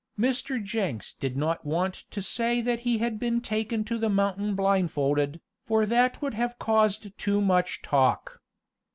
Mr. Jenks did not want to say that he had been taken to the mountain blindfolded, for that would have caused too much talk.